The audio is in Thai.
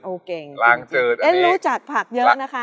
เก่งลางจืดเอ็นรู้จักผักเยอะนะคะ